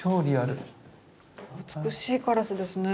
美しいカラスですね。